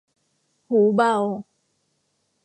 หูเบา